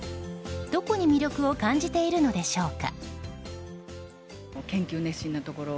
どこに魅力を感じているのでしょうか。